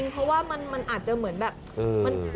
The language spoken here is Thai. เพราะว่ามันอาจจะเหมือนแบบ